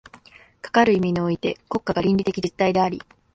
かかる意味において国家が倫理的実体であり、